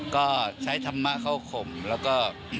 ก็ใช้ธรรมะเข้าข่มแล้วก็